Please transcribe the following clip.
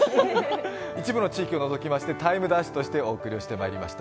一部の地域を除きまして「ＴＩＭＥ’」としてお送りしてまいりました。